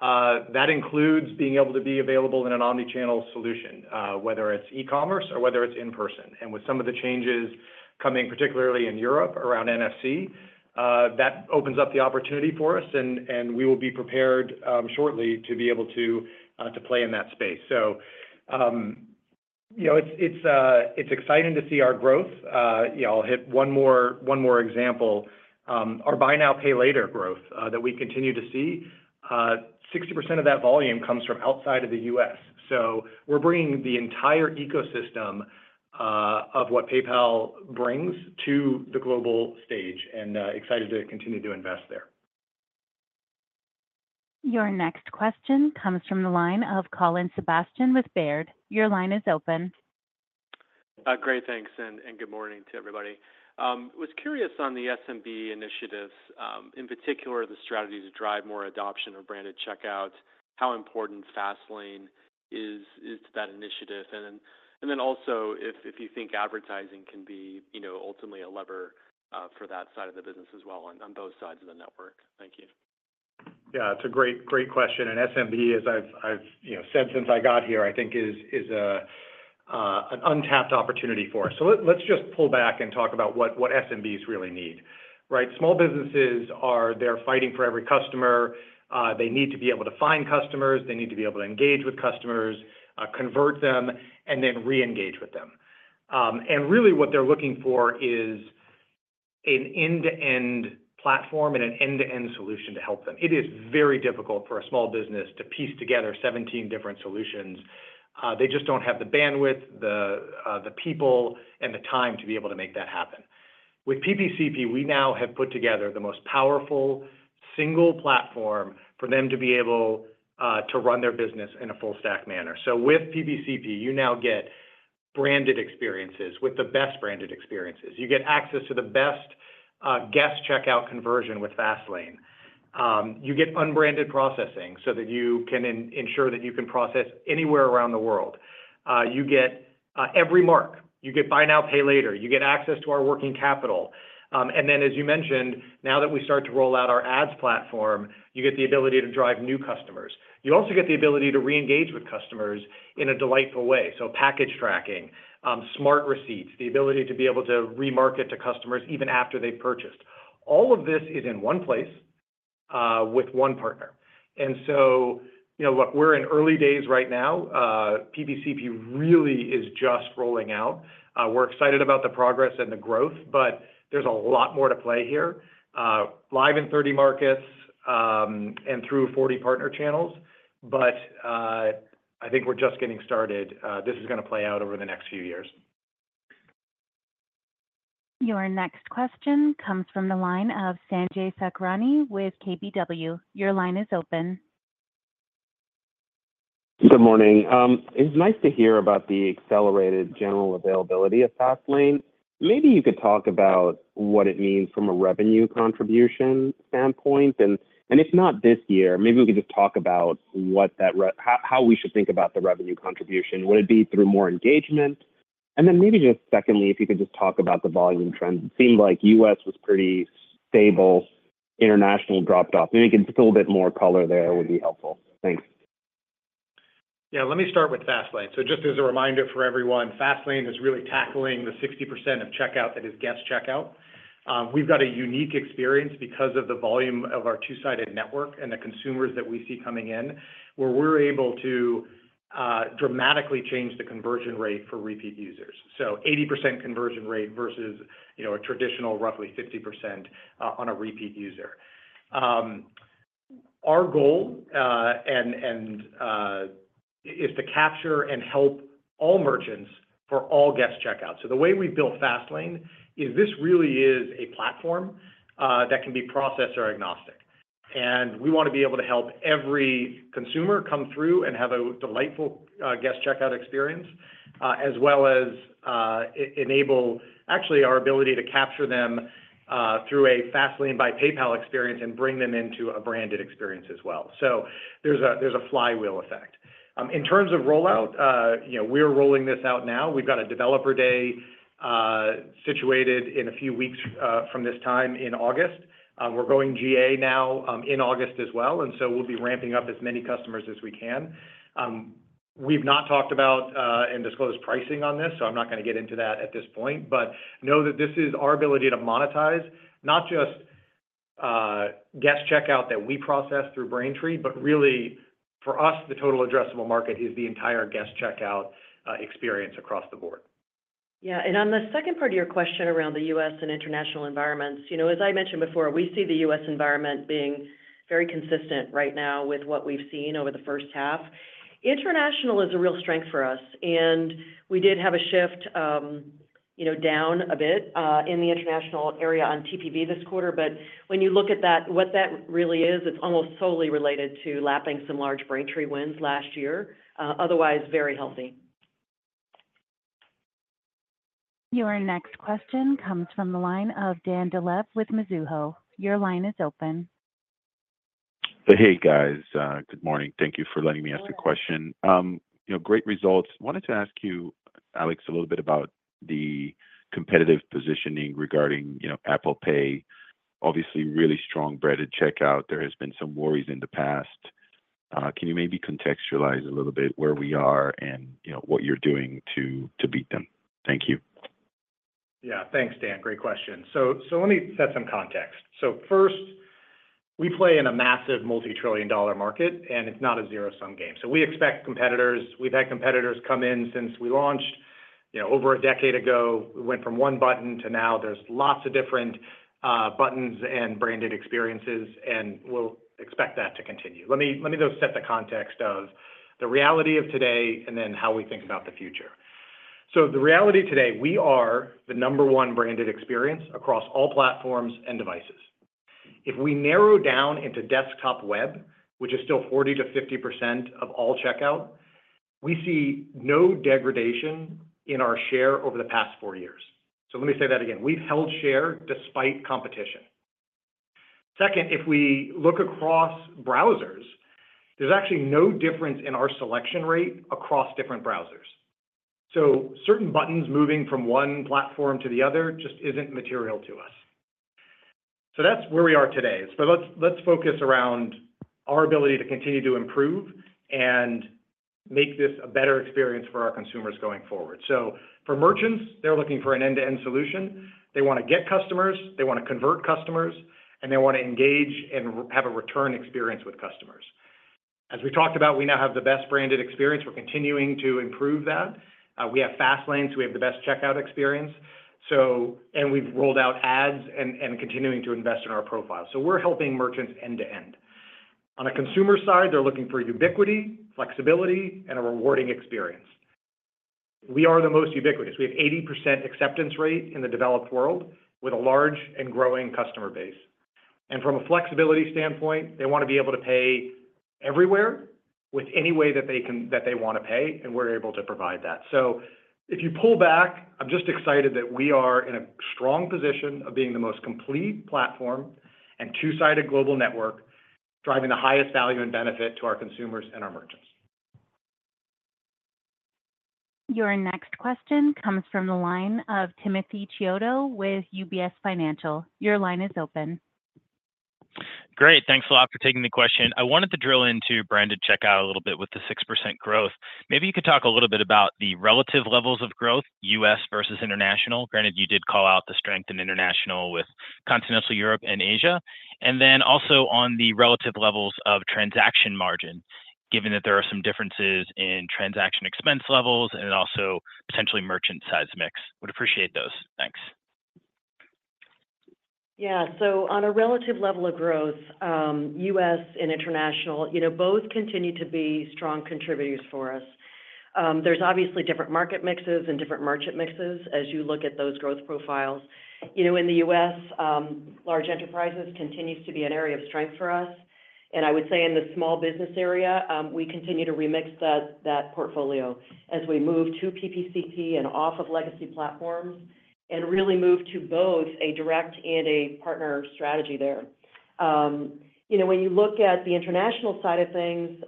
that includes being able to be available in an omni-channel solution, whether it's e-commerce or whether it's in person. With some of the changes coming, particularly in Europe, around NFC, that opens up the opportunity for us, and we will be prepared, shortly to be able to, to play in that space. So, you know, it's, it's, it's exciting to see our growth. Yeah, I'll hit one more, one more example. Our Buy Now, Pay Later growth, that we continue to see, 60% of that volume comes from outside of the U.S. So we're bringing the entire ecosystem, of what PayPal brings to the global stage, and, excited to continue to invest there. Your next question comes from the line of Colin Sebastian with Baird. Your line is open. Great, thanks, and good morning to everybody. Was curious on the SMB initiatives, in particular, the strategy to drive more adoption of branded checkout, how important Fastlane is to that initiative? And then also if you think advertising can be, you know, ultimately a lever for that side of the business as well on both sides of the network. Thank you. Yeah, it's a great, great question. And SMB, as I've you know, said since I got here, I think is an untapped opportunity for us. So let's just pull back and talk about what SMBs really need, right? Small businesses are. They're fighting for every customer. They need to be able to find customers, they need to be able to engage with customers, convert them, and then reengage with them. And really what they're looking for is an end-to-end platform and an end-to-end solution to help them. It is very difficult for a small business to piece together 17 different solutions. They just don't have the bandwidth, the people, and the time to be able to make that happen. With PPCP, we now have put together the most powerful single platform for them to be able to run their business in a full stack manner. So with PPCP, you now get branded experiences with the best branded experiences. You get access to the best guest checkout conversion with Fastlane. You get unbranded processing so that you can ensure that you can process anywhere around the world. You get every mark. You get Buy Now, Pay Later, you get access to our working capital. And then, as you mentioned, now that we start to roll out our ads platform, you get the ability to drive new customers. You also get the ability to reengage with customers in a delightful way. So package tracking, Smart Receipts, the ability to be able to remarket to customers even after they've purchased. All of this is in one place, with one partner. And so, you know, look, we're in early days right now. PPCP really is just rolling out. We're excited about the progress and the growth, but there's a lot more to play here. Live in 30 markets, and through 40 partner channels, but, I think we're just getting started. This is gonna play out over the next few years. Your next question comes from the line of Sanjay Sakhrani with KBW. Your line is open. Good morning. It's nice to hear about the accelerated general availability of Fastlane. Maybe you could talk about what it means from a revenue contribution standpoint, and if not this year, maybe we could just talk about what that how we should think about the revenue contribution. Would it be through more engagement? And then maybe just secondly, if you could just talk about the volume trends. It seemed like U.S. was pretty stable, international dropped off. Maybe just a little bit more color there would be helpful. Thanks. Yeah, let me start with Fastlane. So just as a reminder for everyone, Fastlane is really tackling the 60% of checkout that is guest checkout. We've got a unique experience because of the volume of our two-sided network and the consumers that we see coming in, where we're able to dramatically change the conversion rate for repeat users. So 80% conversion rate versus, you know, a traditional roughly 50%, on a repeat user. Our goal and is to capture and help all merchants for all guest checkouts. So the way we built Fastlane is this really is a platform, that can be processor agnostic, and we want to be able to help every consumer come through and have a delightful, guest checkout experience, as well as, e-enable actually our ability to capture them, through a Fastlane by PayPal experience and bring them into a branded experience as well. So there's a flywheel effect. In terms of rollout, you know, we're rolling this out now. We've got a developer day, situated in a few weeks, from this time in August. We're going GA now, in August as well, and so we'll be ramping up as many customers as we can. We've not talked about and disclosed pricing on this, so I'm not gonna get into that at this point. But know that this is our ability to monetize, not just guest checkout that we process through Braintree, but really for us, the total addressable market is the entire guest checkout experience across the board. Yeah, and on the second part of your question around the U.S. and international environments, you know, as I mentioned before, we see the U.S. environment being very consistent right now with what we've seen over the first half. International is a real strength for us, and we did have a shift, you know, down a bit, in the international area on TPV this quarter. But when you look at that, what that really is, it's almost solely related to lapping some large Braintree wins last year. Otherwise, very healthy. Your next question comes from the line of Dan Dolev with Mizuho. Your line is open. Hey, guys. Good morning. Thank you for letting me ask a question. You know, great results. Wanted to ask you, Alex, a little bit about the competitive positioning regarding, you know, Apple Pay. Obviously, really strong branded checkout. There has been some worries in the past. Can you maybe contextualize a little bit where we are and, you know, what you're doing to, to beat them? Thank you. Yeah. Thanks, Dan. Great question. So let me set some context. So first, we play in a massive multi-trillion-dollar market, and it's not a zero-sum game. So we expect competitors. We've had competitors come in since we launched, you know, over a decade ago. We went from one button to now there's lots of different buttons and branded experiences, and we'll expect that to continue. Let me though set the context of the reality of today and then how we think about the future. So the reality today, we are the number one branded experience across all platforms and devices. If we narrow down into desktop web, which is still 40%-50% of all checkout, we see no degradation in our share over the past four years. So let me say that again. We've held share despite competition. Second, if we look across browsers, there's actually no difference in our selection rate across different browsers. So certain buttons moving from one platform to the other just isn't material to us. So that's where we are today. So let's focus around our ability to continue to improve and make this a better experience for our consumers going forward. So for merchants, they're looking for an end-to-end solution. They wanna get customers, they wanna convert customers, and they wanna engage and have a return experience with customers. As we talked about, we now have the best branded experience. We're continuing to improve that. We have Fastlane, so we have the best checkout experience. And we've rolled out ads and continuing to invest in our profile. So we're helping merchants end to end. On the consumer side, they're looking for ubiquity, flexibility, and a rewarding experience. We are the most ubiquitous. We have 80% acceptance rate in the developed world, with a large and growing customer base. And from a flexibility standpoint, they wanna be able to pay everywhere, with any way that they can, that they wanna pay, and we're able to provide that. So if you pull back, I'm just excited that we are in a strong position of being the most complete platform and two-sided global network, driving the highest value and benefit to our consumers and our merchants. Your next question comes from the line of Timothy Chiodo with UBS Financial. Your line is open. Great. Thanks a lot for taking the question. I wanted to drill into branded checkout a little bit with the 6% growth. Maybe you could talk a little bit about the relative levels of growth, U.S. versus international. Granted, you did call out the strength in international with Continental Europe and Asia. And then also on the relative levels of transaction margin. given that there are some differences in transaction expense levels and also potentially merchant size mix. Would appreciate those. Thanks. Yeah. So on a relative level of growth, U.S. and international, you know, both continue to be strong contributors for us. There's obviously different market mixes and different merchant mixes as you look at those growth profiles. You know, in the U.S., large enterprises continues to be an area of strength for us. And I would say in the small business area, we continue to remix that portfolio as we move to PPCP and off of legacy platforms, and really move to both a direct and a partner strategy there. You know, when you look at the international side of things,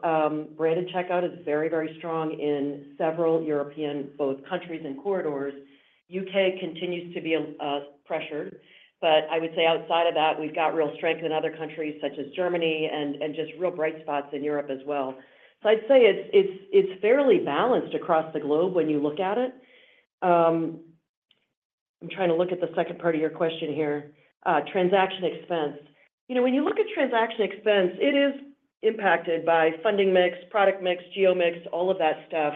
branded checkout is very, very strong in several European countries and corridors. U.K. continues to be pressured, but I would say outside of that, we've got real strength in other countries, such as Germany, and just real bright spots in Europe as well. So I'd say it's fairly balanced across the globe when you look at it. I'm trying to look at the second part of your question here. Transaction expense. You know, when you look at transaction expense, it is impacted by funding mix, product mix, geo mix, all of that stuff.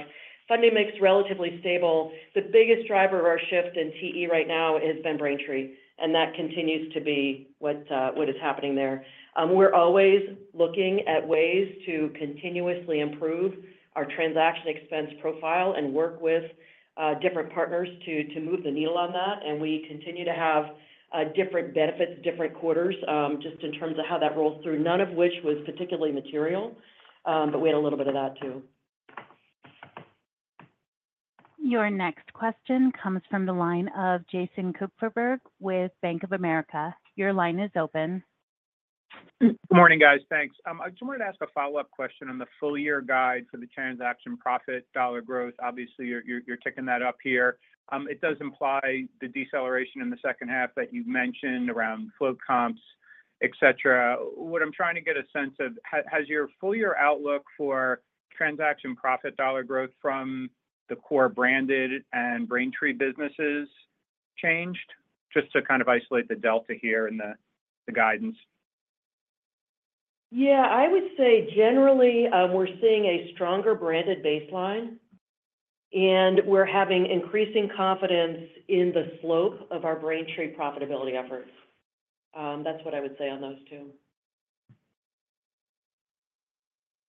Funding mix, relatively stable. The biggest driver of our shift in TE right now has been Braintree, and that continues to be what is happening there. We're always looking at ways to continuously improve our transaction expense profile and work with different partners to move the needle on that, and we continue to have different benefits, different quarters, just in terms of how that rolls through, none of which was particularly material, but we had a little bit of that too. Your next question comes from the line of Jason Kupferberg with Bank of America. Your line is open. Good morning, guys. Thanks. I just wanted to ask a follow-up question on the full-year guide for the transaction profit dollar growth. Obviously, you're ticking that up here. It does imply the deceleration in the second half that you've mentioned around flow comps, et cetera. What I'm trying to get a sense of, has your full-year outlook for transaction profit dollar growth from the core branded and Braintree businesses changed? Just to kind of isolate the delta here in the guidance. Yeah, I would say generally, we're seeing a stronger branded baseline, and we're having increasing confidence in the slope of our Braintree profitability efforts. That's what I would say on those two.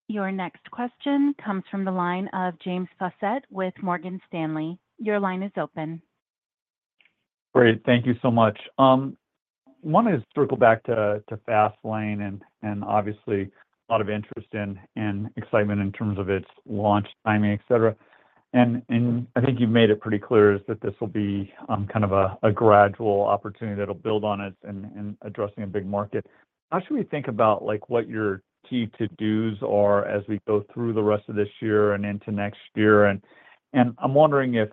Your next question comes from the line of James Faucette with Morgan Stanley. Your line is open. Great. Thank you so much. Wanted to circle back to Fastlane and obviously a lot of interest and excitement in terms of its launch timing, et cetera. I think you've made it pretty clear that this will be kind of a gradual opportunity that'll build on it and addressing a big market. How should we think about, like, what your key to-dos are as we go through the rest of this year and into next year? I'm wondering if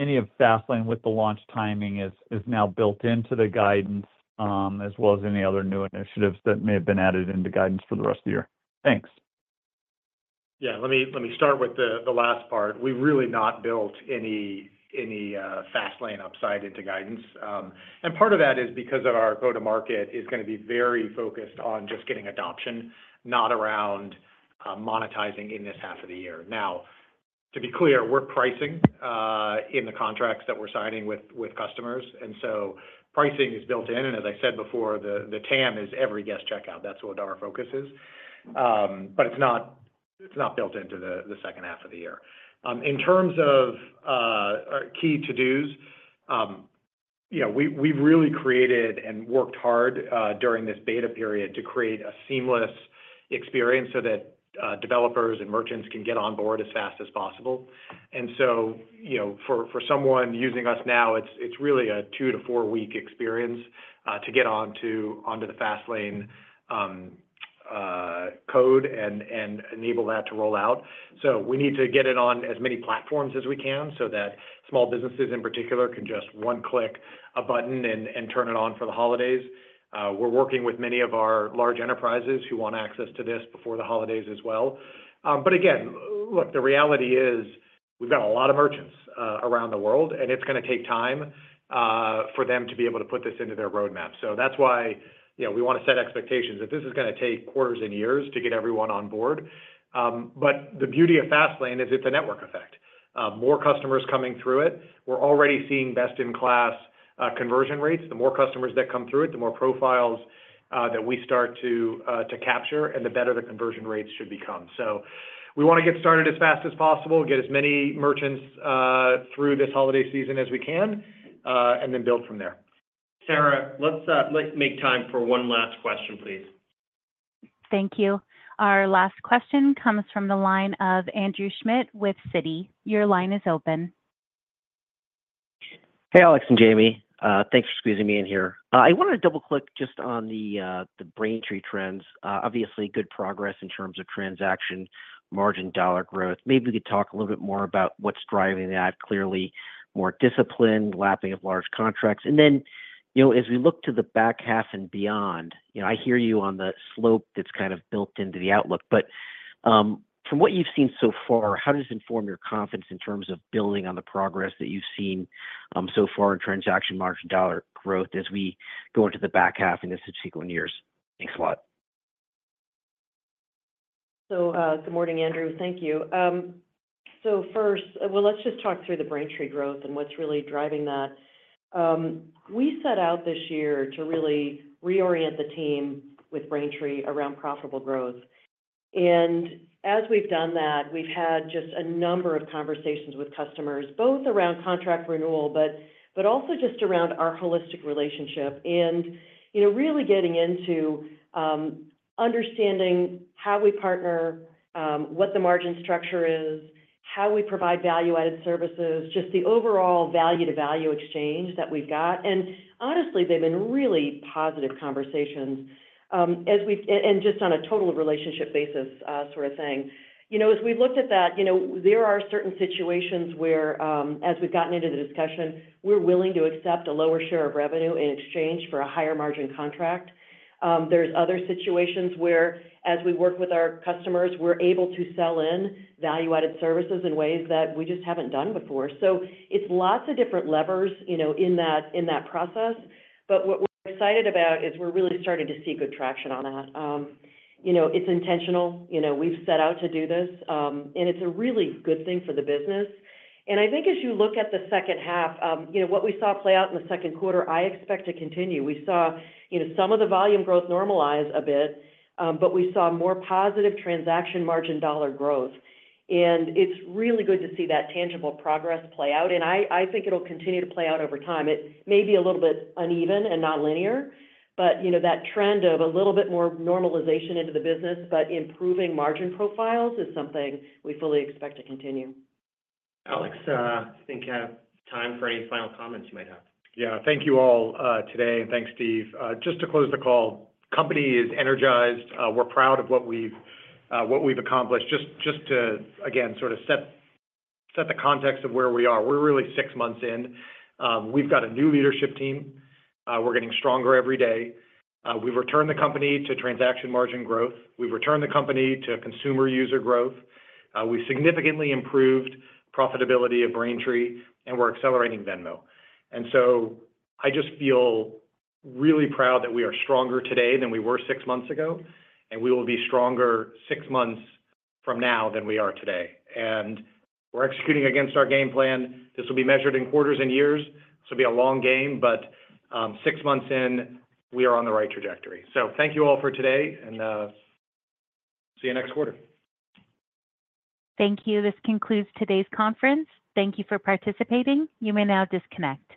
any of Fastlane with the launch timing is now built into the guidance, as well as any other new initiatives that may have been added into guidance for the rest of the year? Thanks. Yeah, let me start with the last part. We've really not built any Fastlane upside into guidance. And part of that is because our go-to-market is gonna be very focused on just getting adoption, not around monetizing in this half of the year. Now, to be clear, we're pricing in the contracts that we're signing with customers, and so pricing is built in. And as I said before, the TAM is every guest checkout. That's what our focus is. But it's not built into the second half of the year. In terms of key to-dos, you know, we've really created and worked hard during this beta period to create a seamless experience so that developers and merchants can get on board as fast as possible. So, you know, for someone using us now, it's really a two to four-week experience to get onto the Fastlane code and enable that to roll out. So we need to get it on as many platforms as we can so that small businesses, in particular, can just one-click a button and turn it on for the holidays. We're working with many of our large enterprises who want access to this before the holidays as well. But again, look, the reality is, we've got a lot of merchants around the world, and it's gonna take time for them to be able to put this into their roadmap. So that's why, you know, we wanna set expectations that this is gonna take quarters and years to get everyone on board. But the beauty of Fastlane is it's a network effect. More customers coming through it. We're already seeing best-in-class conversion rates. The more customers that come through it, the more profiles that we start to capture, and the better the conversion rates should become. So we wanna get started as fast as possible, get as many merchants through this holiday season as we can, and then build from there. Sarah, let's make time for one last question, please. Thank you. Our last question comes from the line of Andrew Schmidt with Citi. Your line is open. Hey, Alex and Jamie. Thanks for squeezing me in here. I wanted to double-click just on the Braintree trends. Obviously, good progress in terms of transaction margin, dollar growth. Maybe we could talk a little bit more about what's driving that. Clearly, more discipline, lapping of large contracts. And then, you know, as we look to the back half and beyond, you know, I hear you on the slope that's kind of built into the outlook, but, from what you've seen so far, how does it inform your confidence in terms of building on the progress that you've seen, so far in transaction margin dollar growth as we go into the back half and the subsequent years? Thanks a lot. So, good morning, Andrew. Thank you. So first, well, let's just talk through the Braintree growth and what's really driving that. We set out this year to really reorient the team with Braintree around profitable growth. And as we've done that, we've had just a number of conversations with customers, both around contract renewal, but also just around our holistic relationship. And, you know, really getting into understanding how we partner, what the margin structure is, how we provide value-added services, just the overall value-to-value exchange that we've got. And honestly, they've been really positive conversations. As we've and just on a total relationship basis, sort of thing. You know, as we've looked at that, you know, there are certain situations where, as we've gotten into the discussion, we're willing to accept a lower share of revenue in exchange for a higher margin contract. There's other situations where, as we work with our customers, we're able to sell in value-added services in ways that we just haven't done before. So it's lots of different levers, you know, in that, in that process. But what we're excited about is we're really starting to see good traction on that. You know, it's intentional, you know, we've set out to do this, and it's a really good thing for the business. And I think as you look at the second half, you know, what we saw play out in the second quarter, I expect to continue. We saw, you know, some of the volume growth normalize a bit, but we saw more positive transaction margin dollar growth. And it's really good to see that tangible progress play out, and I think it'll continue to play out over time. It may be a little bit uneven and nonlinear, but, you know, that trend of a little bit more normalization into the business, but improving margin profiles is something we fully expect to continue. Alex, I think you have time for any final comments you might have. Yeah. Thank you all, today, and thanks, Steve. Just to close the call, company is energized. We're proud of what we've, what we've accomplished. Just, just to, again, sort of set, set the context of where we are. We're really six months in. We've got a new leadership team. We're getting stronger every day. We've returned the company to transaction margin growth. We've returned the company to consumer user growth. We've significantly improved profitability of Braintree, and we're accelerating Venmo. And so I just feel really proud that we are stronger today than we were six months ago, and we will be stronger six months from now than we are today. And we're executing against our game plan. This will be measured in quarters and years. This will be a long game, but, six months in, we are on the right trajectory. So thank you all for today, and, see you next quarter. Thank you. This concludes today's conference. Thank you for participating. You may now disconnect.